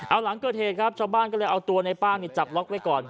เอาหลังเกิดเหตุครับชาวบ้านก็เลยเอาตัวในป้างจับล็อกไว้ก่อน